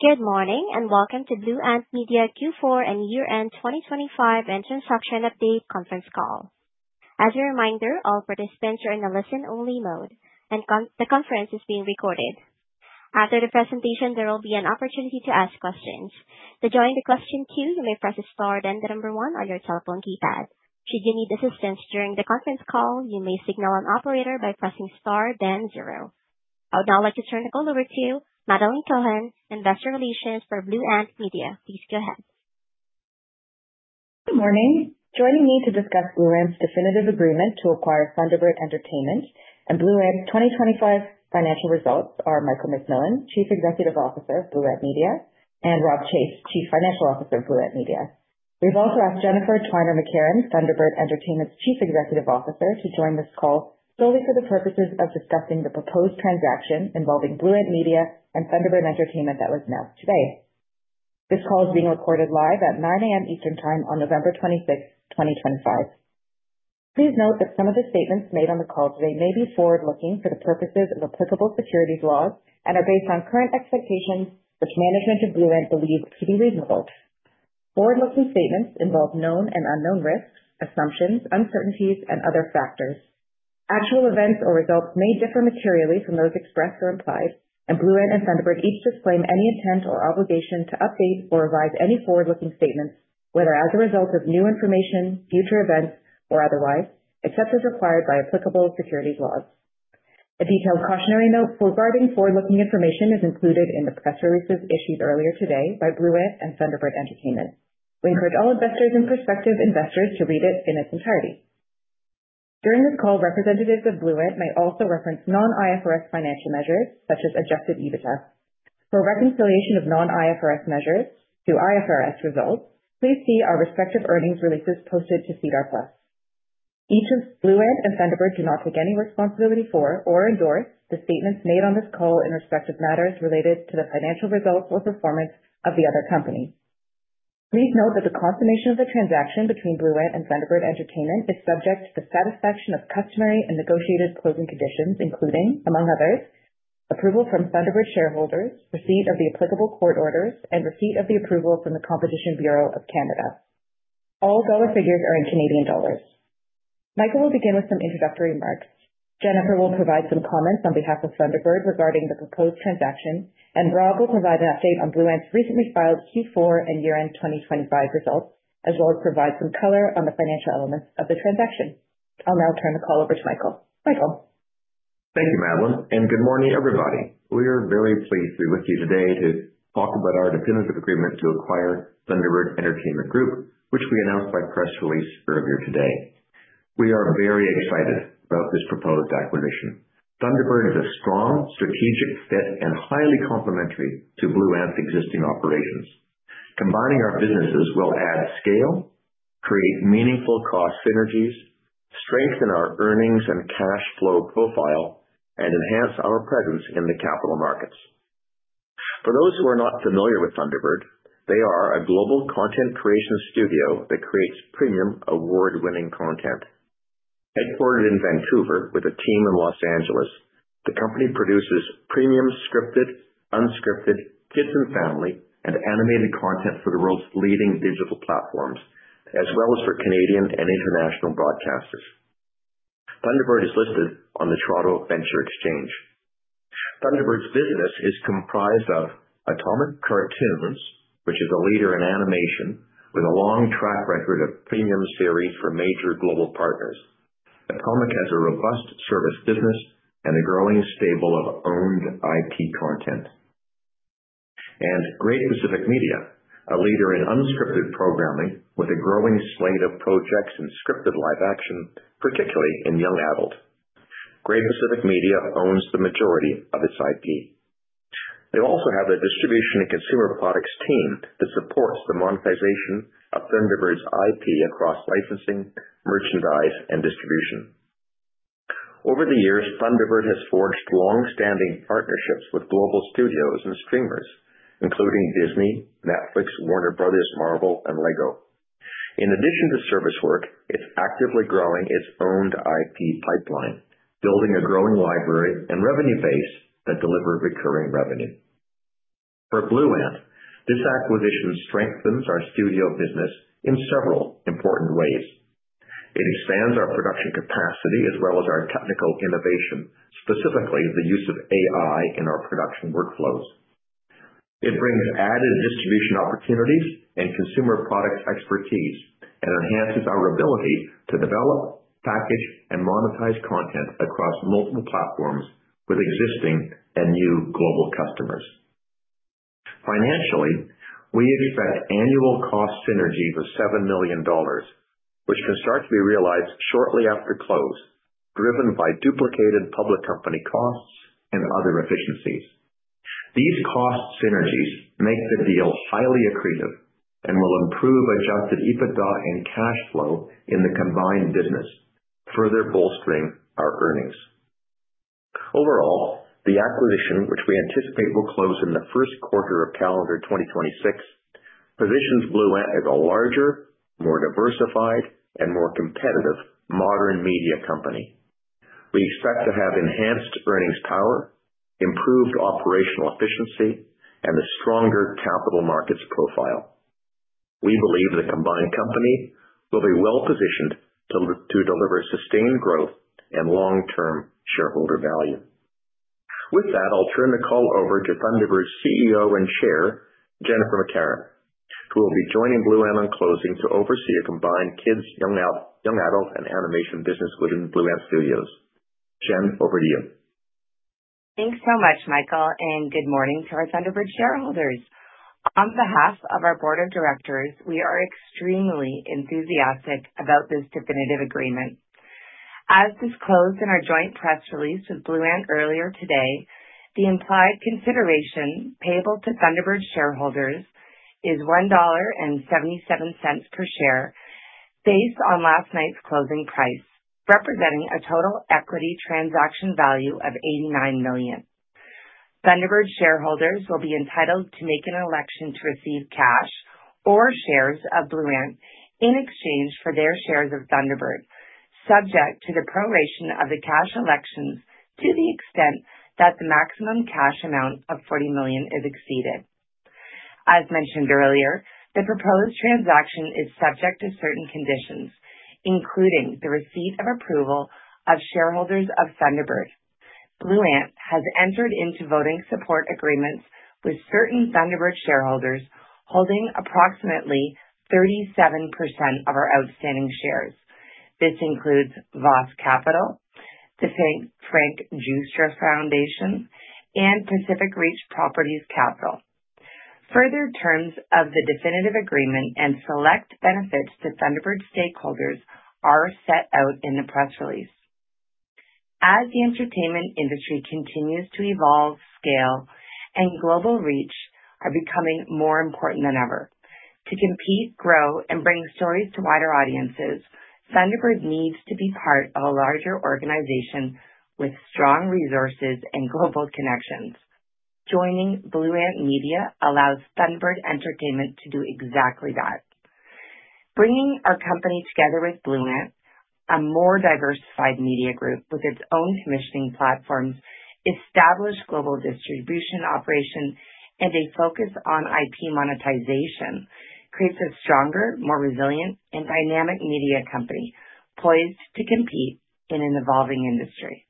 Good morning and welcome to Blue Ant Media Q4 and Year End 2025 and Transaction Update Conference Call. As a reminder, all participants are in a listen-only mode, and the conference is being recorded. After the presentation, there will be an opportunity to ask questions. To join the question queue, you may press star then the number one on your telephone keypad. Should you need assistance during the conference call, you may signal an operator by pressing star then zero. I would now like to turn the call over to Madeleine Cohen, Investor Relations for Blue Ant Media. Please go ahead. Good morning. Joining me to discuss Blue Ant's definitive agreement to acquire THUNDERBIRD ENTERTAINMENT and Blue Ant's 2025 financial results are Michael MacMillan, Chief Executive Officer of Blue Ant Media, and Robb Chase, Chief Financial Officer of Blue Ant Media. We've also asked Jennifer Tyner McCarron, THUNDERBIRD ENTERTAINMENT's Chief Executive Officer, to join this call solely for the purposes of discussing the proposed transaction involving Blue Ant Media and THUNDERBIRD ENTERTAINMENT that was announced today. This call is being recorded live at 9:00 A.M. Eastern Time on November 26, 2025. Please note that some of the statements made on the call today may be forward-looking for the purposes of applicable securities laws and are based on current expectations, which management of Blue Ant believes to be reasonable. Forward-looking statements involve known and unknown risks, assumptions, uncertainties, and other factors. Actual events or results may differ materially from those expressed or implied, and Blue Ant and THUNDERBIRD each disclaim any intent or obligation to update or revise any forward-looking statements, whether as a result of new information, future events, or otherwise, except as required by applicable securities laws. A detailed cautionary note regarding forward-looking information is included in the press releases issued earlier today by Blue Ant and THUNDERBIRD Entertainment. We encourage all investors and prospective investors to read it in its entirety. During this call, representatives of Blue Ant may also reference non-IFRS financial measures, such as adjusted EBITDA. For reconciliation of non-IFRS measures to IFRS results, please see our respective earnings releases posted to SEDAR Plus. Each of Blue Ant and THUNDERBIRD do not take any responsibility for or endorse the statements made on this call in respect of matters related to the financial results or performance of the other companies. Please note that the confirmation of the transaction between Blue Ant and THUNDERBIRD ENTERTAINMENT is subject to the satisfaction of customary and negotiated closing conditions, including, among others, approval from THUNDERBIRD shareholders, receipt of the applicable court orders, and receipt of the approval from the Competition Bureau of Canada. All dollar figures are in CAD. Michael will begin with some introductory remarks. Jennifer will provide some comments on behalf of THUNDERBIRD regarding the proposed transaction, and Robb will provide an update on Blue Ant's recently filed Q4 and Year End 2025 results, as well as provide some color on the financial elements of the transaction. I'll now turn the call over to Michael. Michael. Thank you, Madeleine, and good morning, everybody. We are very pleased to be with you today to talk about our definitive agreement to acquire THUNDERBIRD ENTERTAINMENT Group, which we announced by press release earlier today. We are very excited about this proposed acquisition. THUNDERBIRD is a strong strategic fit and highly complementary to Blue Ant's existing operations. Combining our businesses will add scale, create meaningful cost synergies, strengthen our earnings and cash flow profile, and enhance our presence in the capital markets. For those who are not familiar with THUNDERBIRD, they are a global content creation studio that creates premium award-winning content. Headquartered in Vancouver with a team in Los Angeles, the company produces premium scripted, unscripted, kids and family, and animated content for the world's leading digital platforms, as well as for Canadian and international broadcasters. THUNDERBIRD is listed on the Toronto Venture Exchange. THUNDERBIRD's business is comprised of Atomic Cartoons, which is a leader in animation, with a long track record of premium series for major global partners. Atomic has a robust service business and a growing stable of owned IP content. Great Pacific Media, a leader in unscripted programming with a growing slate of projects in scripted live action, particularly in Young Adult. Great Pacific Media owns the majority of its IP. They also have a distribution and consumer products team that supports the monetization of THUNDERBIRD's IP across licensing, merchandise, and distribution. Over the years, THUNDERBIRD has forged long-standing partnerships with global studios and streamers, including Disney, Netflix, Warner Brothers, Marvel, and Lego. In addition to service work, it's actively growing its owned IP pipeline, building a growing library and revenue base that deliver recurring revenue. For Blue Ant, this acquisition strengthens our studio business in several important ways. It expands our production capacity as well as our technical innovation, specifically the use of AI in our production workflows. It brings added distribution opportunities and consumer products expertise and enhances our ability to develop, package, and monetize content across multiple platforms with existing and new global customers. Financially, we expect annual cost synergies of 7 million dollars, which can start to be realized shortly after close, driven by duplicated public company costs and other efficiencies. These cost synergies make the deal highly accretive and will improve adjusted EBITDA and cash flow in the combined business, further bolstering our earnings. Overall, the acquisition, which we anticipate will close in the first quarter of calendar 2026, positions Blue Ant as a larger, more diversified, and more competitive modern media company. We expect to have enhanced earnings power, improved operational efficiency, and a stronger capital markets profile. We believe the combined company will be well positioned to deliver sustained growth and long-term shareholder value. With that, I'll turn the call over to THUNDERBIRD's CEO and Chair, Jennifer McCarron, who will be joining Blue Ant on closing to oversee a combined kids, young adult, and animation business within Blue Ant Studios. Jen, over to you. Thanks so much, Michael, and good morning to our THUNDERBIRD shareholders. On behalf of our Board of Directors, we are extremely enthusiastic about this definitive agreement. As disclosed in our joint press release with Blue Ant earlier today, the implied consideration payable to THUNDERBIRD shareholders is 1.77 dollar per share based on last night's closing price, representing a total equity transaction value of 89 million. THUNDERBIRD shareholders will be entitled to make an election to receive cash or shares of Blue Ant in exchange for their shares of THUNDERBIRD, subject to the proration of the cash elections to the extent that the maximum cash amount of 40 million is exceeded. As mentioned earlier, the proposed transaction is subject to certain conditions, including the receipt of approval of shareholders of THUNDERBIRD. Blue Ant has entered into voting support agreements with certain THUNDERBIRD shareholders holding approximately 37% of our outstanding shares. This includes Voss Capital, the Frank Giustra Foundation, and Pacific Reach Properties Capital. Further terms of the definitive agreement and select benefits to THUNDERBIRD stakeholders are set out in the press release. As the entertainment industry continues to evolve, scale and global reach are becoming more important than ever. To compete, grow, and bring stories to wider audiences, THUNDERBIRD needs to be part of a larger organization with strong resources and global connections. Joining Blue Ant Media allows THUNDERBIRD Entertainment to do exactly that. Bringing our company together with Blue Ant, a more diversified media group with its own commissioning platforms, established global distribution operations, and a focus on IP monetization creates a stronger, more resilient, and dynamic media company poised to compete in an evolving industry.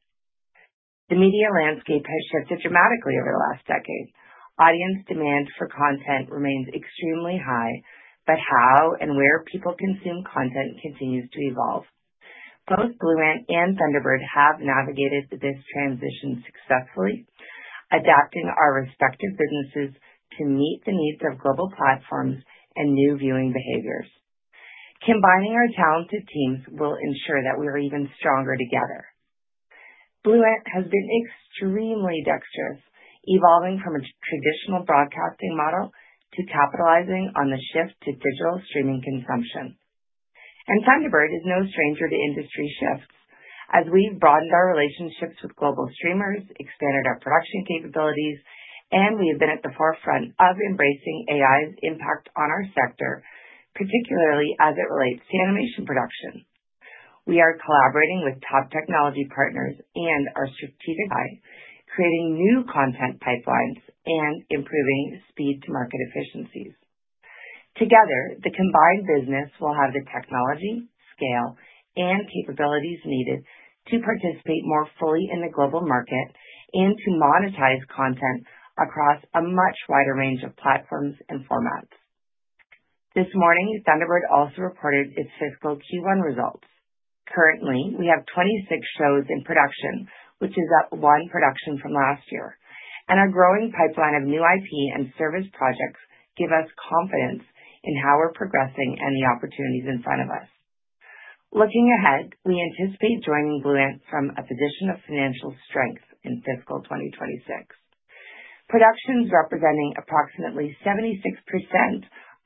The media landscape has shifted dramatically over the last decade. Audience demand for content remains extremely high, but how and where people consume content continues to evolve. Both Blue Ant and THUNDERBIRD have navigated this transition successfully, adapting our respective businesses to meet the needs of global platforms and new viewing behaviors. Combining our talented teams will ensure that we are even stronger together. Blue Ant has been extremely dexterous, evolving from a traditional broadcasting model to capitalizing on the shift to digital streaming consumption. THUNDERBIRD is no stranger to industry shifts. As we've broadened our relationships with global streamers, expanded our production capabilities, and we have been at the forefront of embracing AI's impact on our sector, particularly as it relates to animation production, we are collaborating with top technology partners and our strategic ally, creating new content pipelines and improving speed-to-market efficiencies. Together, the combined business will have the technology, scale, and capabilities needed to participate more fully in the global market and to monetize content across a much wider range of platforms and formats. This morning, THUNDERBIRD also reported its fiscal Q1 results. Currently, we have 26 shows in production, which is up one production from last year, and our growing pipeline of new IP and service projects give us confidence in how we're progressing and the opportunities in front of us. Looking ahead, we anticipate joining Blue Ant from a position of financial strength in fiscal 2026. Productions representing approximately 76%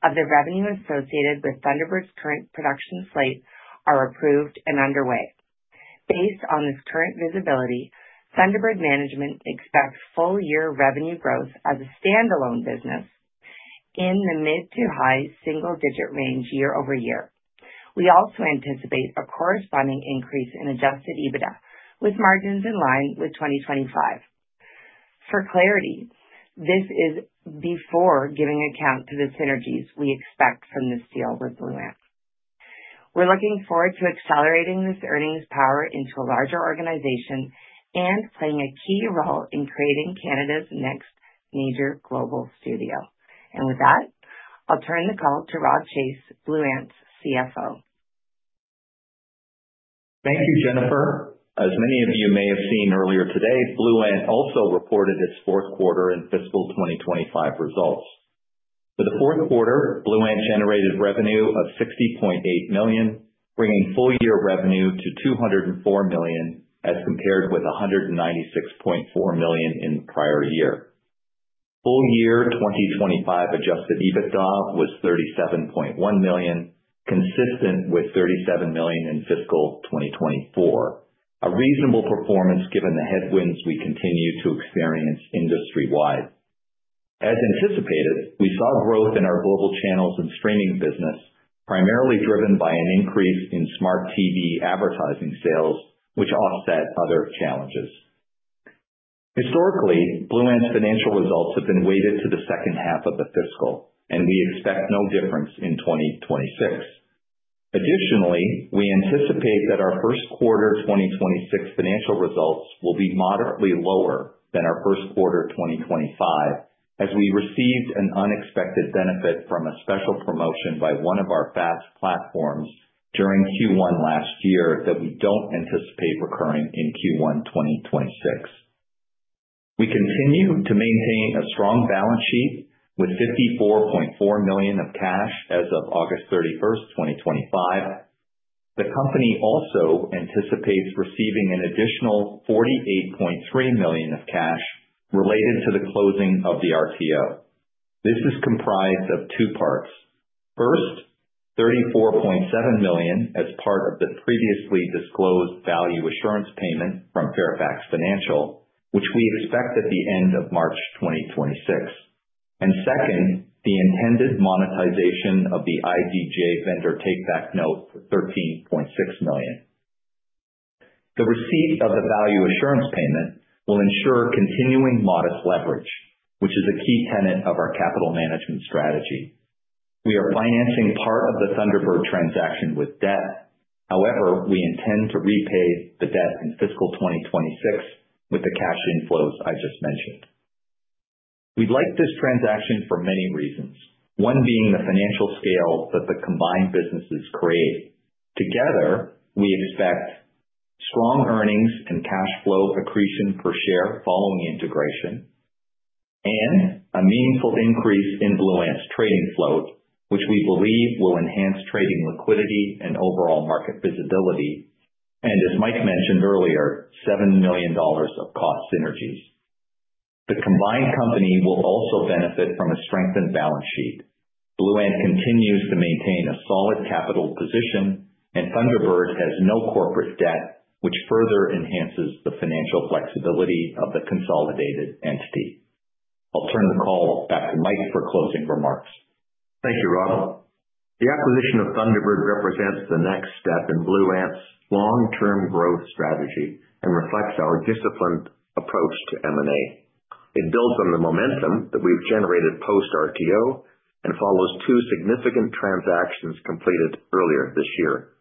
of the revenue associated with THUNDERBIRD's current production slate are approved and underway. Based on this current visibility, THUNDERBIRD Management expects full-year revenue growth as a standalone business in the mid to high single-digit range year-over-year. We also anticipate a corresponding increase in adjusted EBITDA, with margins in line with 2025. For clarity, this is before giving account to the synergies we expect from this deal with Blue Ant. We are looking forward to accelerating this earnings power into a larger organization and playing a key role in creating Canada's next major global studio. With that, I'll turn the call to Robb Chase, Blue Ant's CFO. Thank you, Jennifer. As many of you may have seen earlier today, Blue Ant also reported its fourth quarter and fiscal 2025 results. For the fourth quarter, Blue Ant generated revenue of 60.8 million, bringing full-year revenue to 204 million as compared with 196.4 million in the prior year. Full-year 2025 adjusted EBITDA was 37.1 million, consistent with 37 million in fiscal 2024, a reasonable performance given the headwinds we continue to experience industry-wide. As anticipated, we saw growth in our global channels and streaming business, primarily driven by an increase in Smart TV advertising sales, which offset other challenges. Historically, Blue Ant's financial results have been weighted to the second half of the fiscal, and we expect no difference in 2026. Additionally, we anticipate that our first quarter 2026 financial results will be moderately lower than our first quarter 2025, as we received an unexpected benefit from a special promotion by one of our FAST platforms during Q1 last year that we don't anticipate recurring in Q1 2026. We continue to maintain a strong balance sheet with 54.4 million of cash as of August 31st, 2025. The company also anticipates receiving an additional 48.3 million of cash related to the closing of the RTO. This is comprised of two parts. First, 34.7 million as part of the previously disclosed value assurance payment from Fairfax Financial, which we expect at the end of March 2026. Second, the intended monetization of the IDJ vendor takeback note for 13.6 million. The receipt of the value assurance payment will ensure continuing modest leverage, which is a key tenet of our capital management strategy. We are financing part of the THUNDERBIRD transaction with debt. However, we intend to repay the debt in fiscal 2026 with the cash inflows I just mentioned. We'd like this transaction for many reasons, one being the financial scale that the combined businesses create. Together, we expect strong earnings and cash flow accretion per share following integration, and a meaningful increase in Blue Ant's trading float, which we believe will enhance trading liquidity and overall market visibility, and, as Mike mentioned earlier, 7 million dollars of cost synergies. The combined company will also benefit from a strengthened balance sheet. Blue Ant continues to maintain a solid capital position, and THUNDERBIRD has no corporate debt, which further enhances the financial flexibility of the consolidated entity. I'll turn the call back to Mike for closing remarks. Thank you, Robb. The acquisition of THUNDERBIRD represents the next step in Blue Ant's long-term growth strategy and reflects our disciplined approach to M&A. It builds on the momentum that we've generated post-RTO and follows two significant transactions completed earlier this year.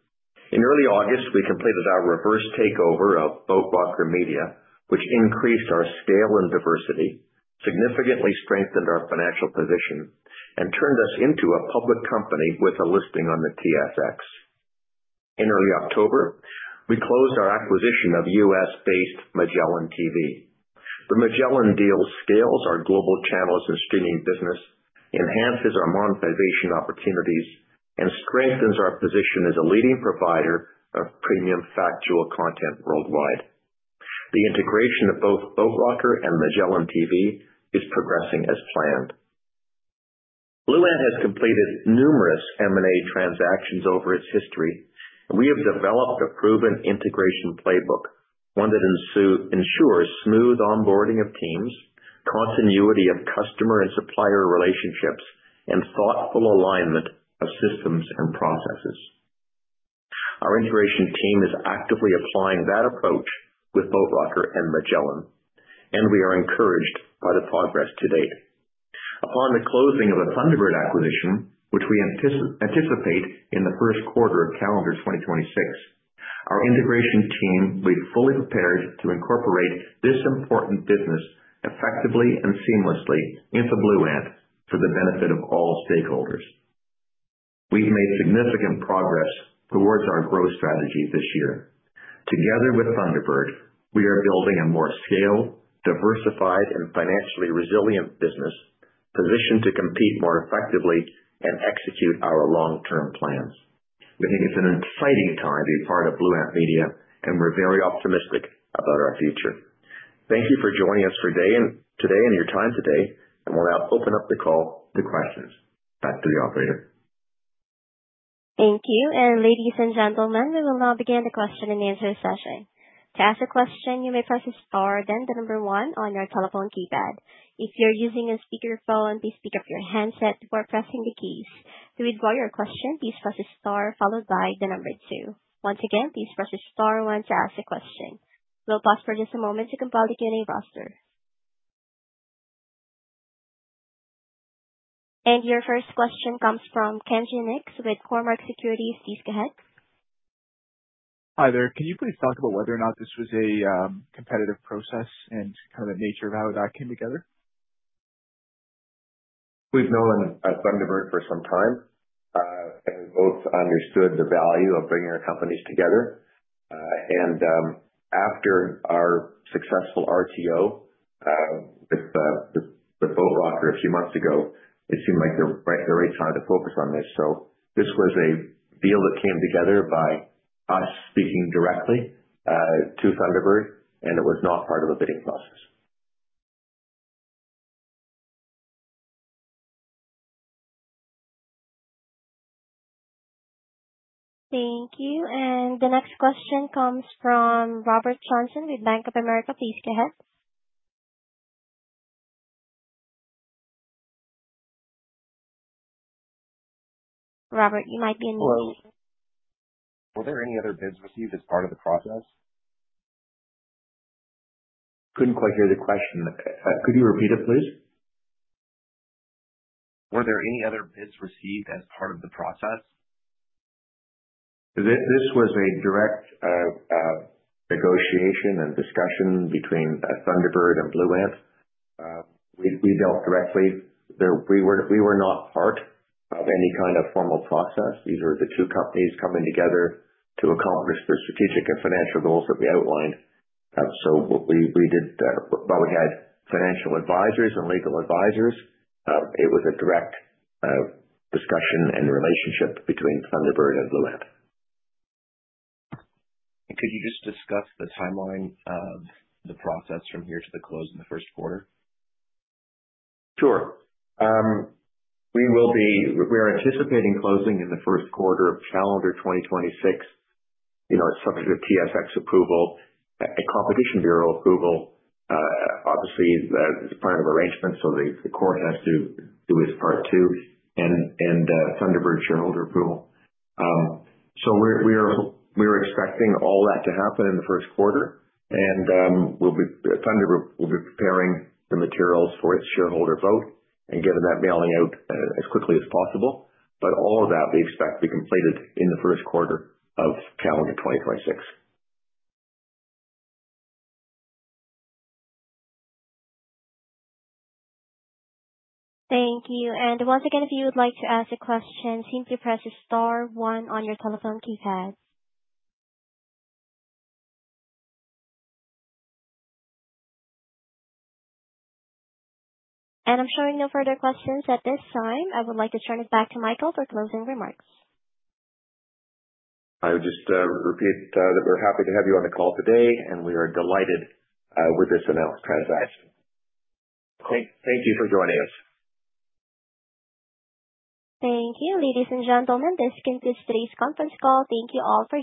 In early August, we completed our reverse takeover of Boat Rocker Media, which increased our scale and diversity, significantly strengthened our financial position, and turned us into a public company with a listing on the TSX. In early October, we closed our acquisition of U.S.-based MagellanTV. The Magellan deal scales our global channels and streaming business, enhances our monetization opportunities, and strengthens our position as a leading provider of premium factual content worldwide. The integration of both Boat Rocker and MagellanTV is progressing as planned. Blue Ant has completed numerous M&A transactions over its history, and we have developed a proven integration playbook, one that ensures smooth onboarding of teams, continuity of customer and supplier relationships, and thoughtful alignment of systems and processes. Our integration team is actively applying that approach with Boat Rocker and Magellan, and we are encouraged by the progress to date. Upon the closing of the THUNDERBIRD acquisition, which we anticipate in the first quarter of calendar 2026, our integration team will be fully prepared to incorporate this important business effectively and seamlessly into Blue Ant for the benefit of all stakeholders. We've made significant progress towards our growth strategy this year. Together with THUNDERBIRD, we are building a more scaled, diversified, and financially resilient business positioned to compete more effectively and execute our long-term plans. We think it's an exciting time to be part of Blue Ant Media, and we're very optimistic about our future. Thank you for joining us today and your time today, and we'll now open up the call to questions. Back to the operator. Thank you. Ladies and gentlemen, we will now begin the question-and-answer session. To ask a question, you may press the star then the number one on your telephone keypad. If you are using a speakerphone, please pick up your handset while pressing the keys. To withdraw your question, please press the star followed by the number two. Once again, please press the star one to ask a question. We will pause for just a moment to compile the Q&A roster. Your first question comes from Kenji Nix with Cormark Securities. Please go ahead. Hi there. Can you please talk about whether or not this was a competitive process and kind of the nature of how that came together? have known THUNDERBIRD for some time, and we both understood the value of bringing our companies together. After our successful RTO with Boat Rocker a few months ago, it seemed like the right time to focus on this. This was a deal that came together by us speaking directly to THUNDERBIRD, and it was not part of the bidding process. Thank you. The next question comes from Robert Johnson with Bank of America. Please go ahead. Robert, you might be on mute. Were there any other bids received as part of the process? Couldn't quite hear the question. Could you repeat it, please? Were there any other bids received as part of the process? This was a direct negotiation and discussion between THUNDERBIRD and Blue Ant. We dealt directly. We were not part of any kind of formal process. These are the two companies coming together to accomplish the strategic and financial goals that we outlined. We did what we had: financial advisors and legal advisors. It was a direct discussion and relationship between THUNDERBIRD and Blue Ant. Could you just discuss the timeline of the process from here to the close in the first quarter? Sure. We are anticipating closing in the first quarter of calendar 2026. It is subject to TSX approval, a Competition Bureau approval. Obviously, it is part of arrangements, so the court has to do its part too, and THUNDERBIRD shareholder approval. We were expecting all that to happen in the first quarter, and THUNDERBIRD will be preparing the materials for its shareholder vote and getting that mailing out as quickly as possible. All of that, we expect to be completed in the first quarter of calendar 2026. Thank you. If you would like to ask a question, simply press the star one on your telephone keypad. I am showing no further questions at this time. I would like to turn it back to Michael for closing remarks. I would just repeat that we're happy to have you on the call today, and we are delighted with this announced transaction. Thank you for joining us. Thank you. Ladies and gentlemen, this concludes today's conference call. Thank you all for joining.